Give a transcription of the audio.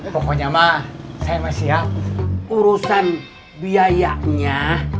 pokoknya mah saya masih ya urusan biayanya